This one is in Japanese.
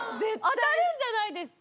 当たるんじゃないですか。